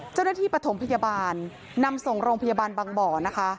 เจ้าหน้าที่ปฐมพยาบาลนำส่งโรงพยาบาลบางบ่อนะคะ